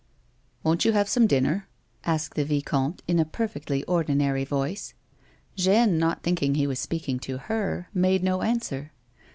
Won't you have some dinner 1 " asked the vicomte iu a perfectly ordinary voice. Jeanne, not thinking he was speaking to her, made no answer.